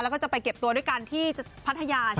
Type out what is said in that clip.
แล้วก็จะไปเก็บตัวด้วยกันที่พัทยา